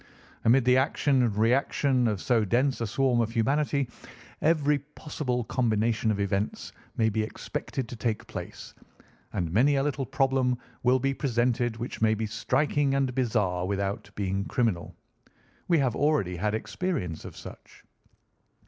Amid the action and reaction of so dense a swarm of humanity, every possible combination of events may be expected to take place, and many a little problem will be presented which may be striking and bizarre without being criminal. We have already had experience of such."